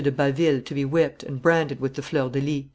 de Baville to be whipped, and branded with the fleur de lis."